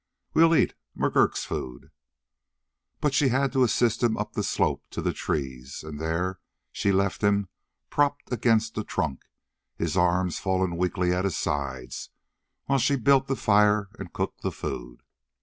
"We'll eat McGurk's food!" But she had to assist him up the slope to the trees, and there she left him propped against a trunk, his arms fallen weakly at his sides, while she built the fire and cooked the food.